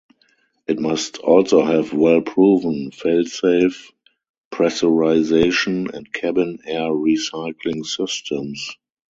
It must also have well-proven, fail-safe pressurization and cabin air re-cycling systems.